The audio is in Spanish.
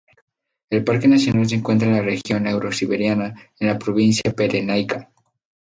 El parque nacional se encuentra en la región eurosiberiana, en la provincia pirenaica.